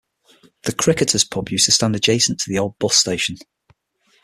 The 'Cricketers' pub used to stand adjacent to the old bus station.